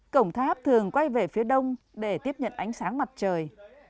cổng tháp thường quay về phía đông để tiếp nhận ánh sáng mặt trời